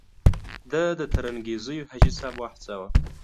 ده د ترنګزیو حاجي صاحب وهڅاوه.